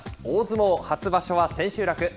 大相撲初場所は千秋楽。